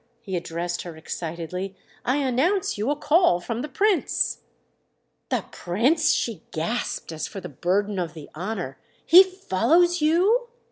—he addressed her excitedly. "I announce you a call from the Prince." "The Prince?"—she gasped as for the burden of the honour. "He follows you?"